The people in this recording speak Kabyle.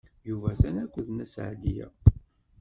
Yuba atan akked Nna Seɛdiya.